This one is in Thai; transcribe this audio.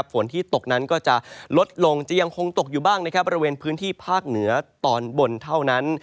ฝนที่ตกนั้นก็จะลดลงจะยังคงตกอยู่บ้างนะครับบริเวณพื้นที่ภาคเหนือตอนบนเท่านั้น